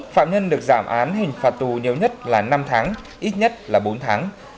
phạm nhân được giảm án hình phạt tù nhiều nhất là năm tháng ít nhất là bốn tháng